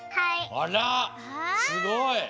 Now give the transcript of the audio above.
あらすごい！